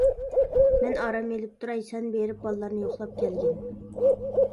مەن ئارام ئېلىپ تۇراي، سەن بېرىپ بالىلارنى يوقلاپ كەلگىن.